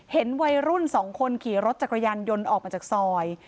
เห็นวัยรุ่น๒คนขี่รถจักรยานยนต์ออกมาจากซอย